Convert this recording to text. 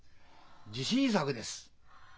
自信作です。